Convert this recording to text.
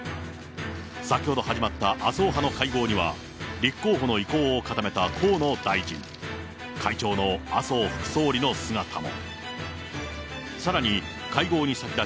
先ほど始まった麻生派の会合には、立候補の意向を固めた河野大臣、会長の麻生副総理の姿も。